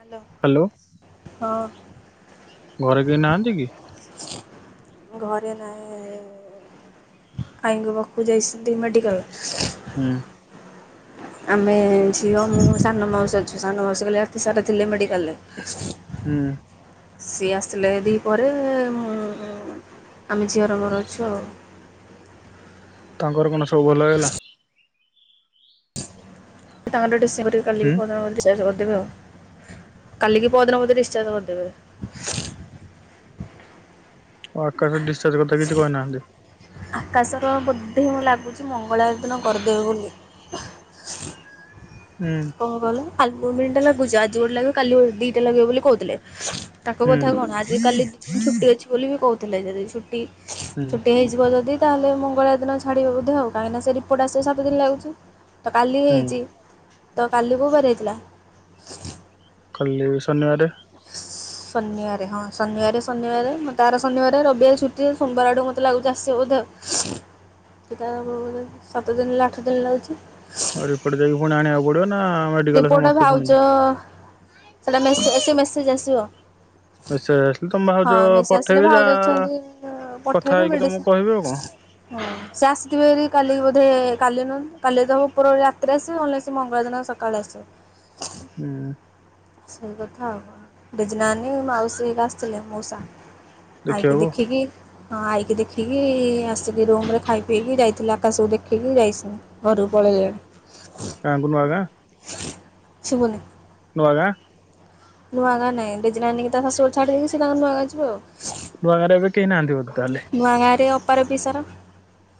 Hello. Hello. ହଁ। ଘରେ କେହି ନାହାନ୍ତି କି? ଘରେ ନାହି ଆଇଙ୍କ ପାଖକୁ ଯାଇଛନ୍ତି ମେଡିିକାଲ। ହୁଁ। ଆମେ ଝିଅ ମୁଁ ସାନ ମାଉସୀ ଅଛୁ ସାନ ମାଉସୀ କଲି ରାତି ସାରା ଥିଲେ ମେଡିକାଲ ରେ [inaudible] ହୁଁ। ସିଏ ଆସିଥିଲେ ଦି ପରେ ଆମେ ଝିଅରମୋର ଅଛୁ ଆଉ ତାଙ୍କର କଣ ସବୁ ଭଲ ହେଲା? ତାଙ୍କର କାଲିି ହୁଁ ପଦ୍ମୀଡିଚାର୍ଜ କରିଦେବେ ଆଉ କାଲି ପଦ୍ମବତୀ ଡିସଚାର୍ଜ କରିଦେବେ [unintelligible] ଆକାଶରେ ଡିସଚାର୍ଜ କଥା କିଛି କହିନାହାନ୍ତି? ଆକାଶର ବୋଧେ ମୁଁ ଲାଗୁଛି ମଙ୍ଗଳବାର ଦିନ କରିଦେବେ ବୋଲି। ହୁଁ। କଣ କହିଲ, ଆଲଗୁମିନଟା ଲାଗୁଚି ଆଜି ଗୋଟେ ଲାଗିବ, କାଲି ଦିଟା ଲାଗିବ ବୋଲି କହୁଥିଲେ। ହୁଁ ତାକୁବୋଧେଆଉ କଣ ଆଜି କାଲି ଦି ଦିନି ଛୁଟି ଅଛି ବୋଲି ବି କହୁଥିଲେ, ଯଦି ଛୁଟି, ହୁଁ ଛୁଟି ହେଇ ଯିବ ଯଦି ତାହେଲେ ମଙ୍ଗଳ ଦିନ ଛାଡିବେ ବୋଧେ, କହିକିନା ସେ ରିପୋର୍ଟ ଆସିବ ସାତଦିନ ଲାଗୁଛି। ତ କାଲି ହୁଁ ହେଇଛି, ତ କାଲି କୋଉ ବାର‌ହୋଇଥିଲା? କାଲି ବି ଶନିବାରେ ଶନିବାରେ, ହଁ ଶନିବାରେ, ଶନିବାରେ ବୋଧେ ଶନିବାରେ ରବିବାରେ ଛୁଟି, ସୋମବାରେ ଆଡ଼କୁ ମୋତେ ଲାଗୁଚି ଆସିବେ ବୋଧେଆଉ ସେଟା ହବବୋଧେ ସାତ ଦିନି ହେ ଆଠ ଦିନି ଲାଗୁଚି। ଆଉ ରିପୋର୍ଟ ଯାଇକି ପୁଣି ଆଣିବାକୁ ପଡିବ ନା ଆମ ରିପୋର୍ଟ ଭାଉଜ ସେଟା ମେସେ ଏସ ମେସେଜ୍ ଆସିବ। ମେସେଜ ଆସିଲେ ତମ ଭାଉଜ ହଁ ମେଶେ ଆସିଲେ, ପଠେଇବେ ଯାହା ଭାଉଜ ଅଛନ୍ତି କଥା ପଠେଇବେେ, ହେଇକି ତମକୁ କହିବେ ଆଉ କଣ। ମେଡ଼ିସିନି ହଁ। ସେ ଆସକିବେ କାଲି ବୋଧେ କାଲି ନୁ କାଲି ତ ଉପରବୋଳି ରାତିରେ ଆସିବେ, ନହେଲେସେ ମଙ୍ଗଳବାର ଦିନ ସକାଳେ ଆସିବେ। ହୁଁ। ସେଇ କଥା ଆଉ, ଡେଜିନାନୀ ମାଉସୀହେରିକା ଆସିଥିଲେ, ମଉସା। ଆଇକି ଦେଖିବାକୁ ଦେଖିକି ହଁ ଆଇକି ଦେଖିକି, ଆସିକି ରୁମ ରେ ଖାଇ ପିଇକି ଯାଇଥିଲେ ଆକାଶ ଦେଖିକି ଯାଇସି ଘରୁକୁ ପଳେଇଲେଣି? କାଙ୍ଗୁନୁଆଗାଁ ଶୁବୁନି। ନୁଆ ଗାଁ ନୂଆଗାଁ ନାଇଁ, ଡେଜିନାନିକିତା ଶାଶୁଘରେ ଛାଡିଦେଇକି, ସେ ତାଙ୍କର ନୁଆାଗାଁ ଯିବେ ଆଉ। ନୁଆଗାଁ ରେଏବେ କେହି ନାହାନ୍ତି ବୋଧେତାହେଲେ? ନୂଆ ଗାଁରେ ଅପାର ପିସାର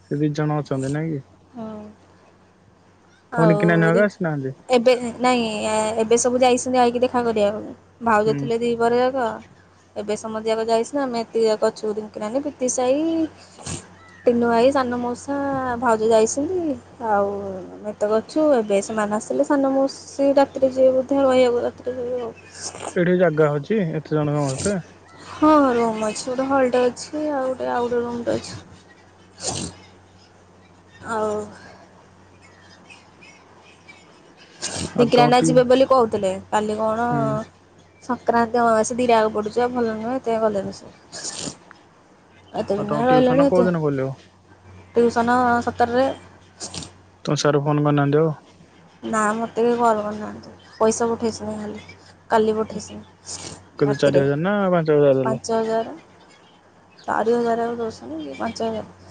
ସେ, ଦି ଜଣ ଅଚନ୍ତି ନାଇଁ କି। ତମ ନିକି ନାନୀ ଆଉରି, ହକା ଆସିନାହାନ୍ତି? ଏବେ ନା ନାଇଁ, ଏବେ ସବୁ ଯାଇଛନ୍ତି ଆାଇକି ଦେଖା କରିବାକୁ ଭାଉଜ, ହୁଁ ଥିଲେ ଦି ପହରଯାକ? ଏବେ ସମସ୍ତେ ଯାକ ଯାଇଛନ୍ତି, ଆମେ ଏତିକିଯାକ ଅଛୁ ରିଙ୍କୀନାନି, ପିତିସାଇ। ପିନୁ ଭାଇ, ସାନ ମଉସା, ଭାଉଜ ଯାଇଛନ୍ତି, ଆଉ ତ ଅଛୁ, ଏବେ ସେମାନେ ଆସିଲେ ସାନମାଉସି ରାତିରେ ଯିବେ ବୋଧେ ରହିଆକୁ ରାତିରେ ରହିବେ ଆଉ ଏଠିଜାଗା ଅଛି, ଏତେ ଜଣ ସମସ୍ତେ? ହଁ ହଁ ରୁମ୍ ଅଛି, ଗୋଟେ ହଲ୍ ଟେ ଅଛି, ଆଉ ଗୋଟେ ଆଉ ଗୋଟେ ରୁମ୍ ଟେ ଅଛି। ଆଉ ଆଉ ତମର ବିକିିରାନା ଟିକେ ଯିବେ ବୋଲି କହୁଥିଲେ, କାଲି କଣ ହୁଁ ସଂକ୍ରାନ୍ତି, ଅମାବାସ୍ୟା ଦିଟାଯାକ ପଡୁଚି ବା ଭଲ ନୁହେଁ, ସେଥିପାଇଁ ଗଲେନି ସେ। ଏତେ ଆଉ ଦିନି ତମ ହେଲା ଟିଉସନ ରହିଲଣି କୋଉ ଏତେ ଦିନ ଖୋଲିବ? ଟିଉସନ ସତରରେ ତୁମ ସାରେ ଫୋନ କରିନାହାନ୍ତି ଆଉ? ନା ମୋତେବି ଫୋନ କରିନାହାନ୍ତି, ପଇସା ପଠେଇଚନ୍ତି ଖାଲି। କାଲି ପଠେଇଚନ୍ତି, କେତେ ଚାରି ରାତିରେ, ହଜାର ନା ପାଞ୍ଚ ହଜାର ଦେଲେ ପାଞ୍ଚ ହଜାରେ। ଚାରି ହଜାରେ ଆଉଦଉଶନ୍ତି, ଇଏ ପାଞ୍ଚ ହଜାରେ।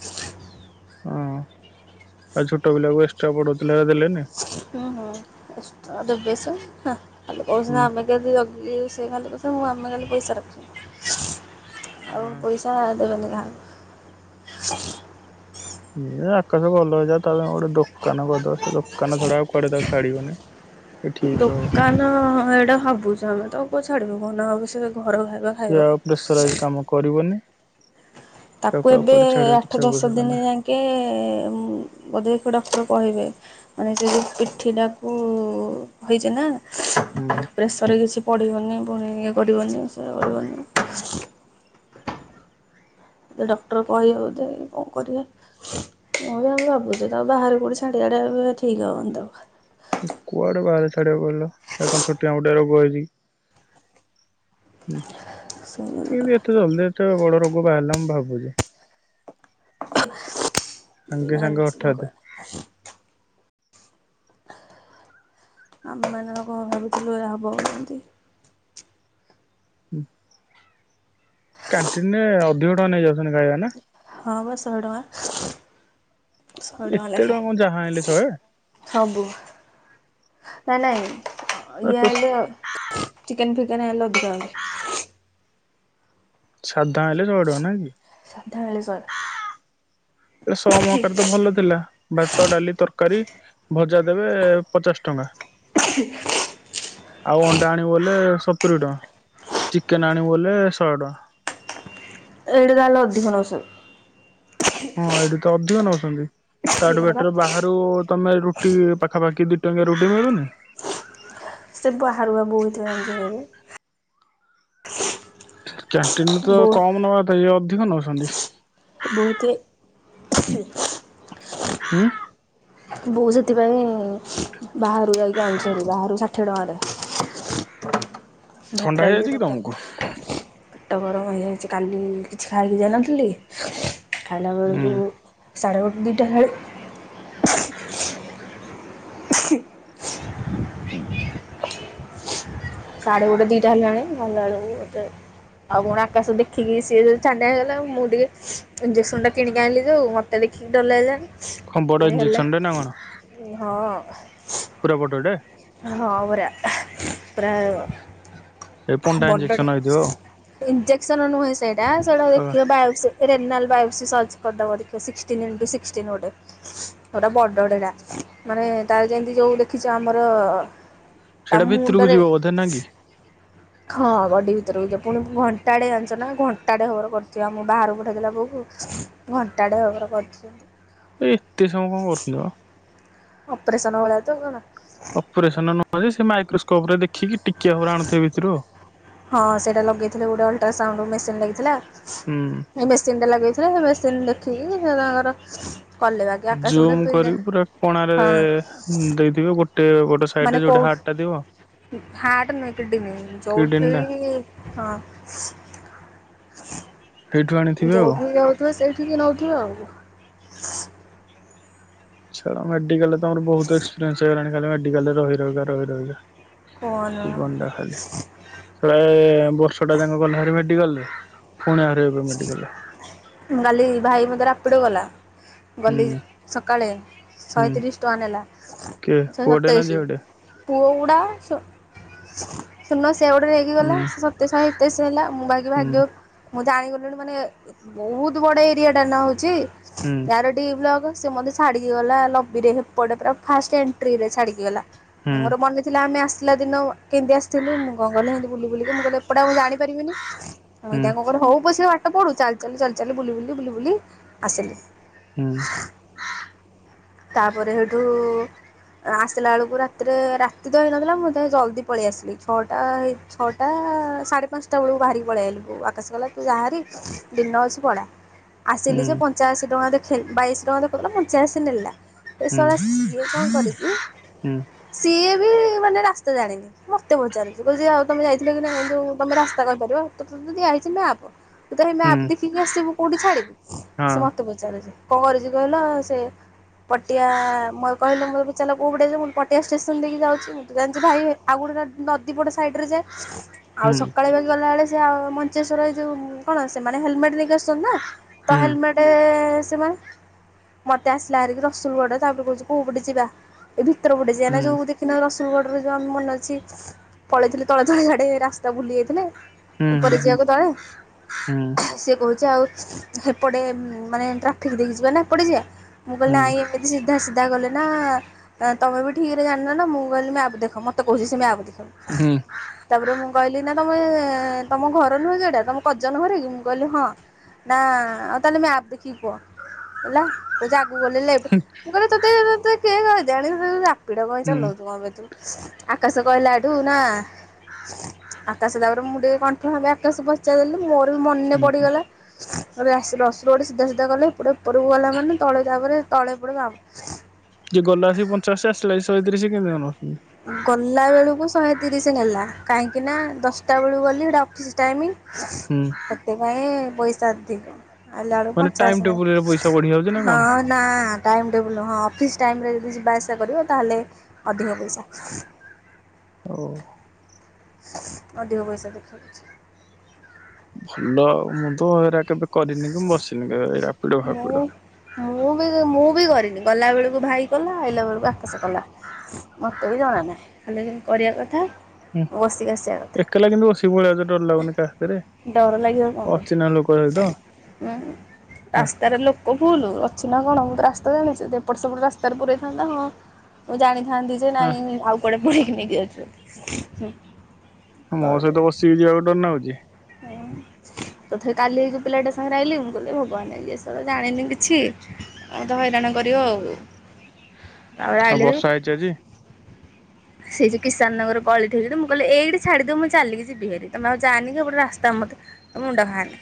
ହଁ ଆଉ ଛୋଟ ପିଲାକୁ ଏକ୍ସଟ୍ରା ପଢଉଥିଲେହେରା ଦେଲେନି? ହୁଁ ହୁଁ ଏକ୍ସଟ୍ରା ଦେବେ ଶେ ହେଁ, ଖାଲି ହୁଁ କହୁଚନ୍ତି ଆମେ କେତେ ଜଗି ସେ ଖାଲି କହୁଥିବେ ମୁଁ ଆମେ କାଲି ପଇସା ରଖିଚୁ। ଆଉ ହଁ ପଇସା ଦେବେନି କାହାକୁ। ଏଇ ଆକାଶ ଭଲ ହେଇଯାଉ, ତା ପାଇଁ ଗୋଟେ ଦୋକାନ କରିଦବା ସେ ଦୋକାନ ଛଡା ଆଉ କୁଆଡେ ତାକୁ ଛାଡିବନି। [inaudible] ସେ ଠିକ ହବ ଦୋକାନ ଏଇଟା ଭାବୁଚୁ ଆମେ ତ, କୋଉ ଛାଡିବୁ କହୁନା ଆମେ ସେ ଘର ବାହାରୁ ସେ ଆଉ ପ୍ରେସରାଇଜ କାମ କରିବନି। ତାକୁ ଆଉ ଏବେ, କୁଆଡେ ଛାଡିବା କିଛି ଆଠ ଦଶ ଆବଶ୍ୟକତା ଦିନି ନାହିଁ ଯାକେ ବୋଧେ କୋଉ ଡକ୍ଟର କହିବେ। ମାନେ ସେ ଯୋଉ ପିଠିିଟାକୁ ହୋଇଚି ନା। ହୁଁ ହୁଁ। ପ୍ରେସର କିଛି ପଡ଼ିବନି ପୁଣି ଇଏ କରିବନି ସିଏ କରିବନି। ଡକ୍ଟର କହିବେ ବୋଧେ କଣ କରିଆ। କହିବା ବି ଭାବୁଚି ତାକୁ ବାହାରୁକୁ କୋଉଠି ଛାଡିଆଡେ ଠିକି ହବନି ତାକୁ। କୁଆଡେ ବାହାରେ ଛାଡିବ କହିଲ ତାକୁ କଣ ଛୋଟିଆ ମୋଟିଆ ରୋଗ ହେଇଚି କି। ହୁଁ ସେ କେ ଏତେ ଜଲଦି ଏତେ ବଡ ରୋଗ ବାହାରିଲା ମୁଁ ଭାବୁଚି। ସାଙ୍ଗେ ସାଙ୍ଗେ ଜାଣିଛି ଅଠାଦେ। ଭଗବାନ ଆମେ ମାନେ କଣ ଭାବୁଥିଲୁ ଏହା ହବ ବୋଲିକି। କ୍ୟାଣ୍ଟିନରେ ଅଧିକ ଟଙ୍କା ନେଇଯାଉଚନ୍ତି ଖାଇବା ନା? ହଁ ବା ଶହେ ଟଙ୍କା। ଶହେ ଟଙ୍କା ଏତେ କଣ ଯାହା ଆଣିଲେ ଲେଖାଏ। ଶହେ ଏ ସବୁ ନାଇ ନାଇଁ ଇଏ ତ ଆଇଲେ [unintelligible] ସାଧା ହେଲେ ଶହେ ଟଙ୍କା ନା କି? ସାଧା ହେଲେ ସ ସୋମ କାଲି ତ ଭଲ ଥିଲା। ଭାତ, ଡାଲି, ତରକାରୀ ଭଜା ଦେବେ ପଚାଶ ଟଙ୍କା। ଛି। ଆଉ ଅଣ୍ଡା ଆଣିବୋଲେ ସତୁରି ଟଙ୍କା। ଚିକେନ ଆଣିବୁବୋଲେ ଶହେ ଟଙ୍କା। ଏଠି ତାହାଲେ ଅଧିକ ନଉଛନ୍ତି। ହଁ ଏଇଠି ତ ଅଧିକ ନଉଚନ୍ତି। ତାଠୁ ବାବା ବେଟର ବାହା ତୁ ତମେ ରୁଟି ପାଖାପାଖି ଦି ଟଙ୍କିଆ ରୁଟି ମିଲୁନି। ସେ ବାହାରୁ ବା ବହୁଥିରେ ଆଣୁଚି କିଣିକି। କ୍ୟାଣ୍ଟିନରୁ ତ ବୋଉ କମ ନବା କଥା ଇଏ ଅଧିକ ନଉଚନ୍ତି। ବହୁତେ [inaudible] ହୁଁ। ବୋଉ ସେଥିପାଇଁ ବାହାରୁ ଯାଇକି ଆଣୁଚିହେରି ବାହାରୁ ଷାଠିଏ ଟଙ୍କାରେ ଭାତ ଥଣ୍ଡା ଡାଲି ହେଇଯାଇଛି କି ତମକୁ ତରକାରୀ। ପେଟ ଗରମ ହେଇଯାଇଛି କାଲି କିଛି ଖାଇକି ଯାଇନଥିଲି ଖାଇଲା ହୁଁ ବେଳକୁ ସାଢେ ଗୋଟେ ଦିଟା ହେଲାଣି ଶାଢ଼େ ଗୋଟେ ଦିଟା ହେଲାଣି ଗଲା ବେଳକୁ ମୋତେ ଆଉ କଣ ଆକାଶ ଦେଖିକି ସିଏ ଯେ ଛାନିଆ ହେଇଗଲା ମୁଁ ଟିକେ ଇଞେସନ ଟା କିଣିକି ଆଣିଲି ଯୋଉ ମୋତେ ଦେଖିକି ଡର ଲାଗିଲାଣି। କଣ ବଡ ପୁଣି ଇଞ୍ଜେକ୍ସନ ହେଲେ ଟେ ନା କଣ ହଁ ହଁ। ପୁରା ବଡଡେ? ହଁ ପରା ପୁରା ଏ ପଣ୍ଡା ଇଞ୍ଜେକ୍ସନ ବଡଟେ ହେଇଥିବ ଇଞ୍ଜେକ୍ସନ ନୁହେଁ ସେଇଟା ସେଇଟା ଆଉ ଦେଖ ବାୟସି ରେନାଲ ବାଓୟୋସି ସଚ୍ଚ କରିଦବ ଦେଖିବ ସିକ୍ସଟିନି ରୁ ସିକ୍ସଟିନି। ବଡଟେ ଯା ମାନେ ତାର ଯେମିତି ଯୋଉ ଦେଖିଛ ଆମର ତା ସେଇଟା ଭିତରକୁ ମୁଣ୍ଡରେ ଯିବ ବୋଧେ ନା କି? ହଁ ବଡି ଭିତରକୁ ଯ ପୁଣି ଘଣ୍ଟାଟେ ଜାଣିଛ ନା ଘଣ୍ଟାଟେ ହବର କରିଥିବ ମୁଁ ବାହାରକୁ ପଠେଇ ଦେଲା ବୋଉକୁ ଘଣ୍ଟାଟେ ଭାବରେ କରି ଏତେ ସମୟ କଣ କରୁଥିଲ? ଅପରେସନ ଭଳିଆ ତ କଣ ଅପରେସନ ନୁହଁ ସେ ମାଇକ୍ରୋସ୍ପପ ରେ ଦେଖିକି ଟିକିଆ ପରେ ଆଣୁଥିବେ ଭିତରୁ ହଁ ସେଇଟା ଲଗେଇଥିଲେ ଗୋଟେ ଅଲ୍ଟର ସାଉଣ୍ଡ ମେସିନ ଲାଗିଥିଲା ହୁଁ। ଏ ମେସିନ୍ଟା ଲାଗେଇଥିଲା ସେ ମେସିନ ଦେଖିକି ସେ ତାଙ୍କର କଲେ ବାକି ଆକାଶ ଗୋଟେ ଜୁମ ପିଡା କରିକି ପୁରା କଣାରେ ହଁ ଦେଇଥିବେ ଗୋଟେ ଗୋଟେ ସାଇଡରେ ମାନେ ଯୋଉଠି କୋଉ ହାର୍ଟ ଟା ଥିବ ହଟ ମଡି କିଡନୀ ଯୋଉଠି ଟା ହଁ ସେଇଠୁ ଆଣିଥିବେ ଆଉ। ଯୋଉଠିକ ଯାଉଥିବ ସେଇଠିକି ନଉଥିବେ ଆଉ ଛାଡ ମେଡାଲରେ ଆମର ବହୁତ ଏକ୍ସପିରିଏନ୍ସ ହେଇଗଲାଣି ଖାଲି ମେଡିକାଲରେ ରହି ର ରହି ରହା କଣ ଜୀବନଟା ଖାଲି ସଳା ଏ ବର୍ଷ ଟା ଯାକ ଗଲା ହେରି ମେଡିକାଲରେ ପୁଣି ଆରେ ଏବେ ମେଡିକାଲରେ ମୁଁ କାଲି ଭାଇ ମତେ ରାପିଡ ଗଲା ହୁଁ ଗଲି ସକାଳେ ହୁଁ ଶହେତିରିଶ ଟଙ୍କା ନେଲା କିଏ ଶହେ ପୁଅଟେ ନା ସତେଇଶି ଝିଅଟେ? ପୁଅ ଗୁଡା ଶୂନ ସେ ଗୋଟେ ନେଇ ହୁଁ ତେଇ ଶହେେଇଶ ହେଲା ମୁଁ ଭି ହୁଁ ଭ ମୁଁ ଜାଣ ମାନେ ବହୁତ ବଡ ଏରିଆ ଟା ନା ହଉଛି ହୁଁ ବ୍ଲଗ ସେ ଛାଡ଼ିକି ଗଲା ଲବିରେପଟେ ପୁର ଫାଷ୍ଟ ଏଣ୍ଟ୍ରି ରେ ଛାଡି ଗଲା ହୁଁ ମୁ ମନ ଥିଲା ଆମେ ଆସିଲା ଦିନ କେମିତି ଆସିଥିଲୁ ମୁଁ କଣ କଲିମି ବୁ ବୁକ ମୁଁ କିଲ ଏପଟା ମୁଁ ଜାଣିପାରିବିନି ହୁଁ। ତାଙ୍କରେ ହଉ ପଇସା ବାଟ ପଢୁ ଚାଲି ଚାଲୁ ଚାଲି ଚାଲ ବୁଲି ବୁଲି ବୁଲି ବୁଲି ଆସିଲି ହୁଁ। ତାପରେ ସେଇଠୁ ଆସିଲା ବେଳକୁ ରାତିରେ ରାତି ତ ହେଇନଥିଲା ମୁଁ ତ ଜଲ୍ଦି ପଳେଇ ଆସିଲି ଛଅଟା ହେଇ ଛଅଟା ସାଢେ ପାଞ୍ଚଟା ବେଳକୁ ବାହାରିକି ପଳେଇ ଆଇଲି ଆକାଶ ଗଲା ତୁ ଯାହାରି ଦିନ ଅଛି ପଳା ଆସିଲି ଯେ ପ ପଞ୍ଚା ଅଶି ଟଙ୍କା ଦେଖଉ ଥିଲା ବାଇଶ ଟଙ୍କା ଦେଖାଉ ଥିଲା ପଞ୍ଚାଅଶି ନେଲା କଣ କରିଛି ସିଏ ବି ମାନେ ରାସ୍ତା ଜାଣିନି। ମତେ ପଚାରୁଛ କହୁ ଯି ଆଉ ତମ ଯାଇଥିଲ କି ନାଇ ତମେ ରାସ୍ତା କହିପାରିବ ତତେ ତ ଦିଆ ହେଇଚି ମ୍ୟାପ୍। ତୁ ତ ମ୍ୟାପ ଦେଖିକି ଆସିବୁ କୋଉଠି ଛାଡିବୁ ସେ ମତେ ପଚାରଛି କଣ କରଛି କହିଲ ସେ ପଟିଆ କହିଲୁ ମୁଁ ଚାଲ କଉ ପଟେ ଯିବ ମୁଁ ପଟିଆ ଷ୍ଟେସନ ଦେଇକି ଯାଉଛି ମୁଁ ତ ଜାଣିଛି ଭାଇ ଆଉ ଗୋଟେ ନଦୀପଟ ସାଇଡ ରେ ଯାଏ ଆଉ ସକାଳେକ ଗଲାବେଳେ ସେ ମଞ୍ଚେଶ୍ୱର ଏ ଯୋଉ କଣ ସେମାନେ ହେଲମେଟ ନେଇକି ଆସୁଛନ୍ତି ନା। ତ ହେଲମେଟ ସେ ସେମାନେ ମତେ ଆସିଲା ହାରିକି ରସୁଲଗଡ ତାପରେ କହୁ କୋଉପଟେ ଯିବା ଏ ଭିତର ପଟେ ଜିବାନା ଯଉ ଗଲା ଦେ କିନା ରସୁଲଗଡ ରେ ଯୋଉ ଆମ ମନେ ଅଛି ପଳେଇଥିଲେ ତଳେ ତଳେ ଗାଡେ ରାସ୍ତା ବୁଲି ଯାଇଥିଲେ ଉପରେ ଯିବା କି ତଳେ। ହୁଁ ସେ କହୁଛି ଆଉ ହେପଟେ ମାନେ ଟ୍ରାଫିକ ଦେଇକି ଯିବା ନା ଏପଟେ ଯିବା ମୁଁ କହିଲି ନାଇଁ ଏମିତି ସିଧା ସିଧା ଗଲେ ନା ତୁମେ ବି ଠିକରେ ଜାଣିନ ନା ମୁଁ କହିଲି ମ୍ୟାପ୍ ଦେଖ ମୋତେ କହୁଛି ସେ ମ୍ୟାପ୍ ଦେଖ। ହୁଁ। ତାପରେ ମୁଁ କହିଲି ନା ତମେ ତମ ଘର ନୁହଁ ଯେଟା ତମ ପଜନ ଘରେକି ମୁଁ କହିଲି ହଁ ନା ଆଉ ତାହେଲେ ମ୍ୟାପ୍ ଦେଖିକି କୁହ। ହେଲା କହୁଛି ଆଗକୁ ଗଲେ ଲେଫ୍ଟ ମୁଁ କହିଲି ତତେ କିଏ କଣି ପିଡ କ ଚଲଉଛୁ ଏବେ ତୁ ଆକାଶ କହିଲା ଏଠୁ ନା ଆକାଶ ତାପରେ ମୁଁ ଟିକେ କଣ୍ଠ ଭାବେ ଆକାଶ ପ ପଚା ଦେଲି ମୋର ବି ମନେ ପଡ଼ିଗଲା ରସୁଲଗଡ ସିଧା ସିଧା କଲେ ଏପଟେ ଉପରକୁ ଗଲା ମାନେ ତଳେ ତାପରେ ତଳେ ପଟ ବା ଯିଏ ଗଲା ସେ ପଞ୍ଚାଅଶି ଆସିଲା ସେ ଶହେତିରିଶ କେମିତି ନଉଛନ୍ତି? ଗଲା ବେଳକୁ ଶହେ ତିରିଶ ନେଲା କାହିଁକି ନା ଦଶଟା ବେଳକୁ ଗଲି ହେଇଟା ଅଫିସ୍ ଟାଇମ। ହୁଁ ସେଥି ପାଇଁ ପଇସା ଅଧିକ। ଆଇଲା ବେଳକୁ ମାନେ ଟାଇମ ପଞ୍ଚାଅଶୀ ନେଲା ଟେବୁଲରେ ପଇସା ବଢି ଯାଉଛି ନା କଣ? ହଁ। ନା ଟାଇମ୍ ଟେବୁଲ୍ ହଁ ଅଫିସ୍ ଟାଇମ ରେ ଯଦି ଯିବା ଆସିବା କରିବ ତାହେଲେ ଅଧିକ ପଇସା। ହଉ। ଅଧିକ ପଇସା ଦେଖଉଛି। ଭଲ ଆଉ ମୁଁ ତ ଏରା କେବେ କରିନି କି ମୁଁ ବସିନି କେବେ। ଫାପିଡ। ମୁଁ ମୁଁ ବି ମୁଁ ବି କରିନି ଗଲାବେଳକୁ ଭାଇ ଗଲା ଆଇଲା ବେଳକୁ ଆକାସ କଲା ମତେ ବି ଜଣା ନାହିଁ ଖାଲି କରିବା କଥା। ମୁଁ ବସିକି ଆସିବା କଥା। କହିଲା କିନ୍ତୁ ସେ ଭଳିଆ ଡର ଲାଗୁନି ତା ହାତରେ। ଡର ଲାଗିବ କଣ ପାଇଁ ଉଁ। ରାସ୍ତାରେ ଲୋକ ଫୁଲ ଅଚିହ୍ନା କଣ ମୁଁ ରାସ୍ତା ଜାଣିଛି ଏପଟ ସେପଟ ରାସ୍ତାରେ ପୁରଇଥାନ୍ତା ହଁ ମୁଁ ଜାଣିଥାନ୍ତି ଯେ ହଁ ନାଇଁ ଆଉ କୁଆଡେ ପଳିକି ନେଇକି ଆଉଚି। ମୋ ସହିତ ବସିକି ଯିବାକୁ ଡର ନାଗୁଚି। ଏ ତଥାପି କାଲି ହେଇ ଯୋଉ ପିଲାଟା ସାଙ୍ଗରେ ଆଇଲି ମୁଁ କହିଲି ଏ ଭଗବାନ ଇଏ ଶଳା ଜାଣିନି କିଛି - ହଉ ତ ହଇରାଣ କରିବ ଆଉ ତାପରେ ଆଉ ଆଇଲି ହେରି ବର୍ଷା ହେଇଚି ଆଜି? ସେଇ ଯୋଉ କିଷାନ ନଗର ଗଳିଠେ ହେଇଥିଲେ ମୁଁ କହିଲି ଏଇିଠି ଛାଡିଦିଅ ମୁଁ ଚାଲିକି ଯିବି ହାରି ତମେ ଆଉ ଯାଆନି କି ହେପଟେ ରାସ୍ତା ମତେ- ମୁଣ୍ଡ ଖାଆନି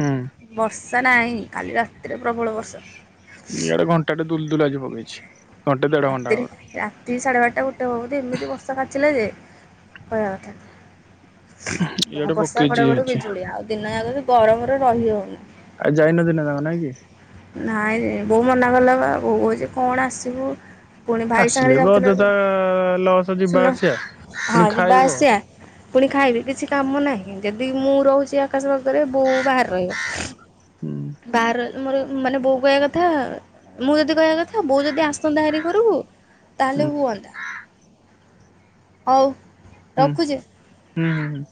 ହୁଁ ବର୍ଷା ନାଇଁ କାଲି ରାତିରେ ପ୍ରବଳ ବର୍ଷା - ଇଆଡ଼େ ଘଣ୍ଟାଟେ ଦୁଲ ଦୁଲ ଆଜି ପଗେଇଛି ରାତିରେ ରାତି ସାଢେ ବାରଟା ଗୋଟେ ହବ ବୋଧେ ଏମିତି ବର୍ଷା କାଚିଲା ଯେ କହିବା କଥା - ବ ଇଆଡେ ବର୍ଷା ପକେଇଛି ଘଡଘଡି ହେଇଛି ବିଜୁଳି ଆଉ ଦିନ ଜାଗବି ଗରମରେ ରହି ହଉନି ଆଜି ଯାଇନ ଦିନ ଯାଙ୍କ ନାଇଁ କି ନାଇଁ ବୋଉ ମନା କଲା ବା ବୋଉ କହୁଚି କଣ ଆସିବୁ- ପୁଣି ଭାଇ ଆସିଲେ ସାଙ୍ଗରେ ବି ଯାଉଥିଲେ ଅଯଥା ଲସ୍ ଗୋଟେ ଯିବା ଶୁନ ଆସିବା ପୁଣି ହଁ ଯିବା ଖାଇବ। ଆସିଆ - ପୁଣି ଖାଇବି କିଛି କାମ ନାହିଁ ଯଦି ମୁଁ ରହୁଚି ଆକାଶ ବର୍ଗରେ ବୋଉ ବାହାରେ ରହିବ ହୁଁ ବାହାରେ ରହେ ମୋର ମାନେ ବୋଉ କହିବା କଥା ମୁଁ ଯଦି କହିବା କଥା ବୋଉ ଯଦି ଆସ- [unintelligible] ତାହେଲେ ହୁଁ ହୁଁ ହୁଅନ୍ତା, ହଉ ହୁଁ ରଖୁଛି ହୁଁ ହୁଁ ହୁଁ